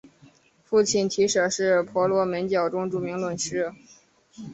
父亲提舍是婆罗门教中著名论师。